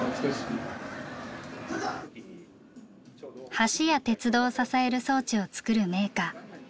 橋や鉄道を支える装置を作るメーカー。